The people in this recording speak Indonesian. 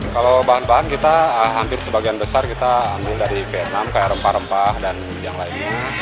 kalau bahan bahan kita hampir sebagian besar kita ambil dari vietnam kayak rempah rempah dan yang lainnya